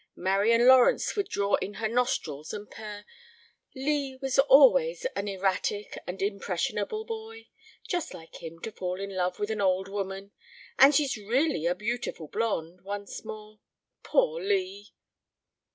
Marian Lawrence would draw in her nostrils and purr: "Lee was always an erratic and impressionable boy. Just like him to fall in love with an old woman. And she's really a beautiful blonde once more. Poor Lee."